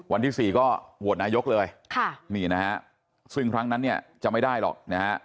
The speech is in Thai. วันที่๔ก็โหวตนายกเลยค่ะนี่นะฮะซึ่งครั้งนั้นเนี่ยจะไม่ได้หรอกนะฮะ